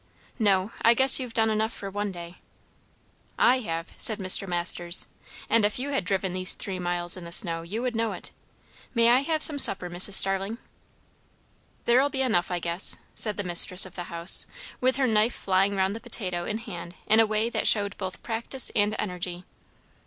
"No. I guess you've done enough for one day." "I have," said Mr. Masters. "And if you had driven these three miles in the snow, you would know it. May I have some supper, Mrs. Starling?" "There'll be enough, I guess," said the mistress of the house, with her knife flying round the potato in hand in a way that showed both practice and energy.